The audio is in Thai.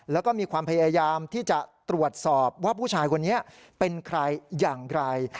แล้วก็มีความพยายามที่จะตรวจสอบว่าผู้ชายคนนี้เป็นใครอย่างไร